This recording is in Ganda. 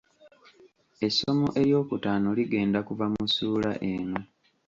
essomo eryokutaano ligenda kuva mu ssuula eno.